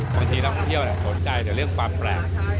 บางทีนักท่องเที่ยวสนใจแต่เรื่องความแปลก